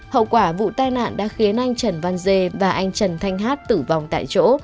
hậu quả vụ tai nạn đã khiến anh trần văn dê và anh trần thanh hát tử vong tại chỗ